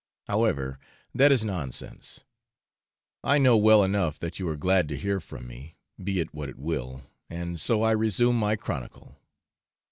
However, that is nonsense; I know well enough that you are glad to hear from me, be it what it will, and so I resume my chronicle.